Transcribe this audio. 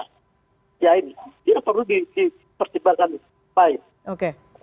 ya ini ini yang perlu dipertimbangkan